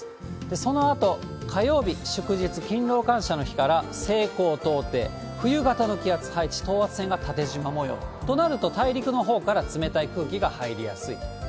そのあと火曜日、祝日、勤労感謝の日から西高東低、冬型の気圧配置、等圧線が縦じま模様となると、大陸のほうから冷たい空気が入りやすい。